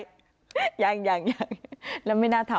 ยังยังยังแล้วไม่น่าทำ